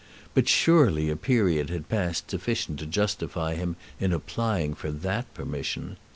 But surely a period had passed sufficient to justify him in applying for that permission.